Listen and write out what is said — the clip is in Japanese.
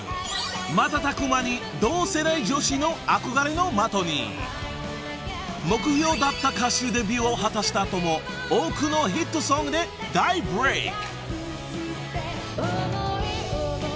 瞬く間に同世代女子の憧れの的に］［目標だった歌手デビューを果たした後も多くのヒットソングで大ブレーク］